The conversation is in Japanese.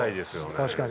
確かに。